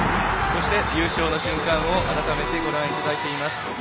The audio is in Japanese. そして優勝の瞬間を改めてご覧いただいています。